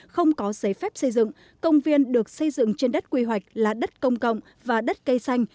không có giấy phép xây dựng công viên được xây dựng trên đất quy hoạch là đất công cộng và đất cây xanh